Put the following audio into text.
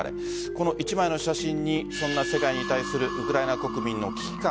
この１枚の写真にそんな世界に対するウクライナ国民の危機感